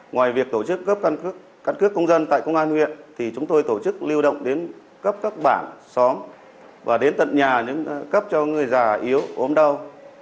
ngoài việc tổ chức cấp cân cấp công dân tại công an huyện chúng tôi tổ chức lưu động đến cấp các bảng xóm và đến tận nhà những cấp cho người già yếu ốm đau